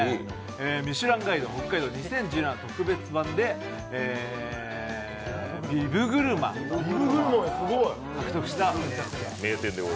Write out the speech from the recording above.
「ミシュランガイド北海道２０１７特別版」でビブグルマン獲得した。